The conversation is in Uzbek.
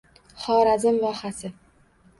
Xorazm vohasi